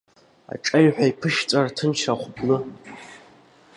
Аҿаҩҳәа иԥышәҵәа рҭынчра ахәыблы!